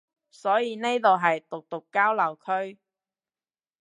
所以呢度係毒毒交流區